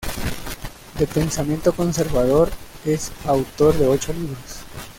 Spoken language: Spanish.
De pensamiento conservador, es autor de ocho libros.